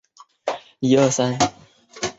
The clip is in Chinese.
朱光民朝鲜足球运动员。